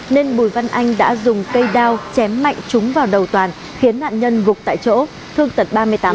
nên bùi văn anh đã dùng cây đao chém mạnh trúng vào đầu toàn khiến nạn nhân gục tại chỗ thương tật ba mươi tám